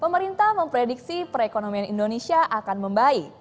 pemerintah memprediksi perekonomian indonesia akan membaik